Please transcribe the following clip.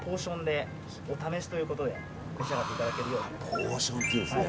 ポーションっていうんですね。